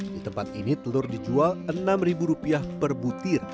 di tempat ini telur dijual enam ribu rupiah per butir